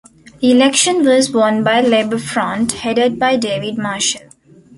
The election was won by Labour Front, headed by David Marshall.